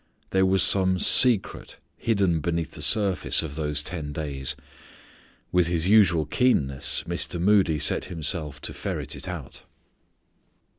There was some secret hidden beneath the surface of those ten days. With his usual keenness Mr. Moody set himself to ferret it out.